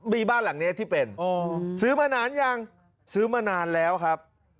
มีบ้านหลังนี้ที่เป็นซื้อมานานยังซื้อมานานแล้วครับ